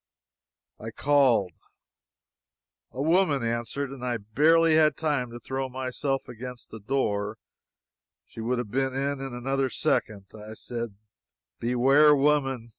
I called. A woman answered, and I barely had time to throw myself against the door she would have been in, in another second. I said: "Beware, woman!